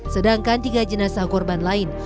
sedangkan tiga jenazah korban lain